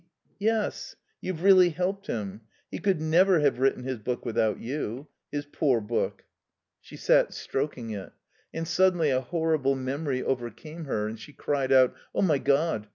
"Yes. You've really helped him. He could never have written his book without you. His poor book." She sat stroking it. And suddenly a horrible memory overcame her, and she cried out: "Oh, my God!